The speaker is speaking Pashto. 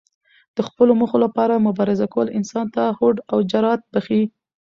د خپلو موخو لپاره مبارزه کول انسان ته هوډ او جرات بښي.